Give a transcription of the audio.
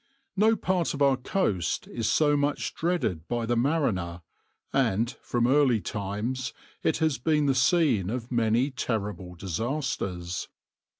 No part of our coast is so much dreaded by the mariner, and from early times it has been the scene of many terrible disasters.